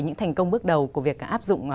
những thành công bước đầu của việc áp dụng